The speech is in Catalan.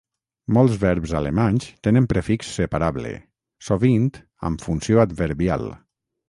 Molts verbs alemanys tenen prefix separable, sovint amb funció adverbial.